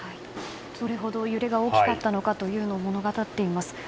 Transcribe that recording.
それほど揺れが大きかったのかというのを物語っています。